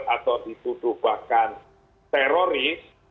atau dituduh bahkan teroris